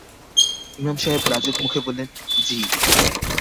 ইমাম সাহেব লাজুক মুখে বললেন, জ্বি।